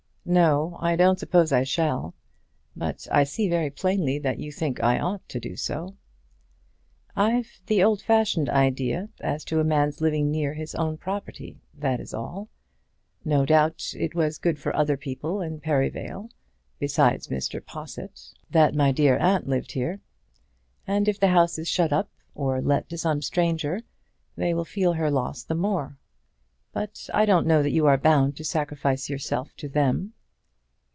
"No; I don't suppose I shall. But I see very plainly that you think I ought to do so." "I've the old fashioned idea as to a man's living near to his own property; that is all. No doubt it was good for other people in Perivale, besides Mr. Possitt, that my dear aunt lived here; and if the house is shut up, or let to some stranger, they will feel her loss the more. But I don't know that you are bound to sacrifice yourself to them."